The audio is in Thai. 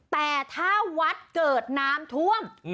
แต่ถ้าวัดเกิดน้ำท่วม